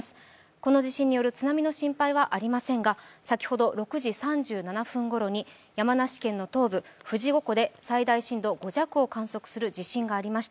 この地震による津波の心配はありませんが、先ほど、６時３７分ごろに山梨県の東部、富士五湖で最大震度５弱を観測する地震がありました。